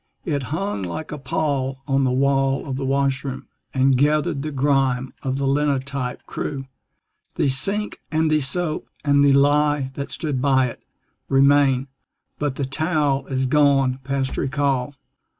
It hung like a pall on the wall of the washroom, And gathered the grime of the linotype crew. The sink and the soap and the lye that stood by it Remain; but the towel is gone past recall.